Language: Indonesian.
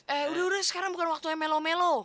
eh udah lurus sekarang bukan waktunya melo melo